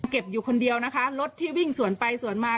เก็บอยู่คนเดียวรถที่วิ่งส่วนไปส่วนมา